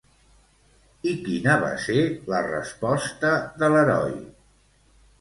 I quina va ser la resposta de l'heroi?